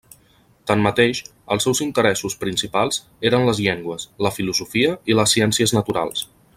Tanmateix, els seus interessos principals eren les llengües, la filosofia i les ciències naturals.